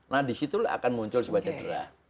nah disitu akan muncul sebanyak cedera